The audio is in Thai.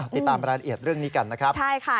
ติดตามรายละเอียดเรื่องนี้กันนะครับใช่ค่ะ